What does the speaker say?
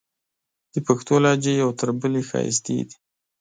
د پښتو لهجې یو تر بلې ښایستې دي.